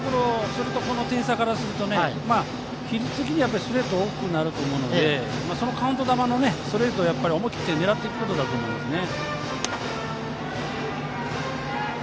あと、この点差からすると比率的にはストレートが多くなると思うのでカウント球のストレートを思い切って狙っていくことだと思いますね。